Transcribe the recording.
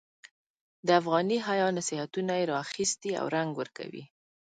د افغاني حیا نصیحتونه یې را اخیستي او رنګ ورکوي.